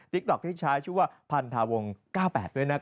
ต๊อกที่ใช้ชื่อว่าพันธาวง๙๘ด้วยนะครับ